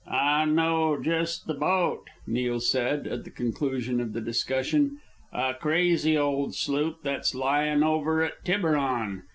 "I know just the boat," Neil said, at the conclusion of the discussion, "a crazy old sloop that's lying over at Tiburon.